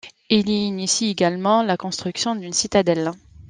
Il y initie également la construction d'une citadelle.